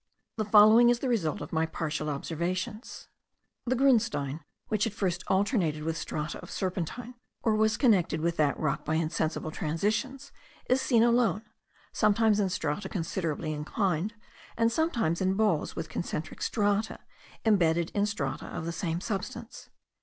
The following is the result of my partial observations. The grunstein, which at first alternated with strata of serpentine, or was connected with that rock by insensible transitions, is seen alone, sometimes in strata considerably inclined, and sometimes in balls with concentric strata, imbedded in strata of the same substance.